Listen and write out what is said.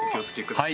はい。